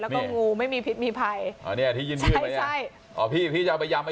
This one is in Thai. แล้วก็งูไม่มีพิษมีภัยอ๋อเนี้ยที่ยืนขึ้นมาเนี้ยใช่ใช่อ๋อพี่พี่จะเอาไปยำไหมพี่